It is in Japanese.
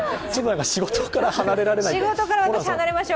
仕事から離れられないという。